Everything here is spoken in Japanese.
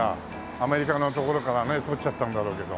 アメリカのところからね取っちゃったんだろうけど。